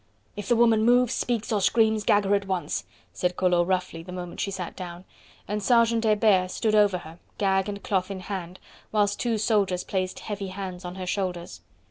"If the woman moves, speaks or screams, gag her at once!" said Collot roughly the moment she sat down, and Sergeant Hebert stood over her, gag and cloth in hand, whilst two soldiers placed heavy hands on her shoulders.